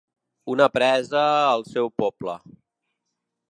Una presa al seu poble.